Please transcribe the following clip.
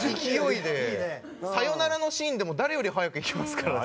サヨナラのシーンでも誰より早く行きますからね。